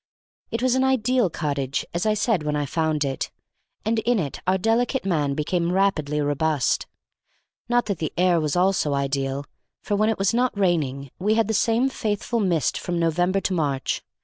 It was an ideal cottage, as I said when I found it, and in it our delicate man became rapidly robust. Not that the air was also ideal, for, when it was not raining, we had the same faithful mist from November to March.